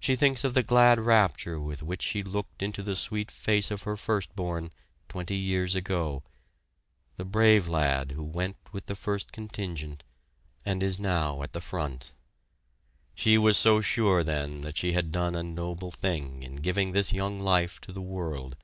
She thinks of the glad rapture with which she looked into the sweet face of her first born twenty years ago the brave lad who went with the first contingent, and is now at the front. She was so sure then that she had done a noble thing in giving this young life to the world.